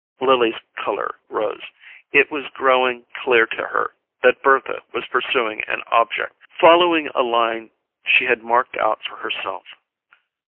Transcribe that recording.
Lily's colour rose: it was growing clear to her that Bertha was pursuing an object, following a line she had marked out for herself.